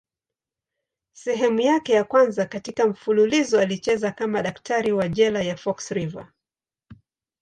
Sehemu yake ya kwanza katika mfululizo alicheza kama daktari wa jela ya Fox River.